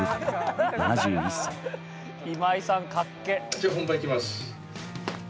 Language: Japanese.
じゃあ本番いきます。